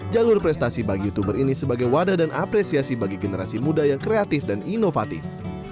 jalur prestasi bagi youtuber ini sebagai wadah dan apresiasi bagi generasi muda yang kreatif dan inovatif